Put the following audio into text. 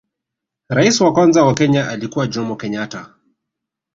rais wa kwanza wa kenya alikuwa jomo kenyatta